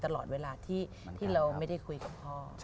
ตลอดเวลาที่เราไม่ได้คุยกับพ่อ